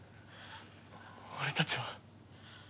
俺たちは。